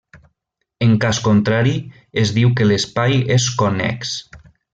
En cas contrari, es diu que l'espai és connex.